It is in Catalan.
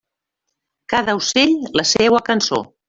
Cada ocell la seua cançó.